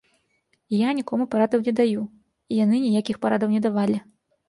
Я нікому парадаў не даю, і яны ніякіх парадаў не давалі.